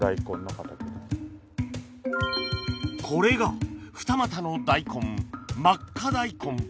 これが二股の大根「まっか大根」